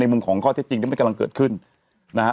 มุมของข้อเท็จจริงที่มันกำลังเกิดขึ้นนะฮะ